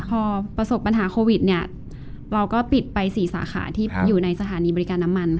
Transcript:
พอประสบปัญหาโควิดเนี่ยเราก็ปิดไป๔สาขาที่อยู่ในสถานีบริการน้ำมัน